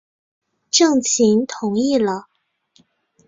郑覃同意了。